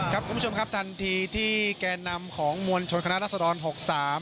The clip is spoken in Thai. ครับคุณผู้ชมครับทันทีที่แก่นำของมวลชนคณะรัศนาล๖๓